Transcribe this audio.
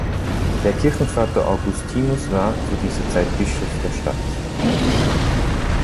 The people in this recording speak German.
Der Kirchenvater Augustinus war zu dieser Zeit Bischof der Stadt.